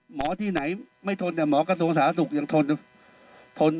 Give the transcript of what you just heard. หมอที่ไหนไม่ทนแต่หมอกระทรวงสาธารณสุขยังทน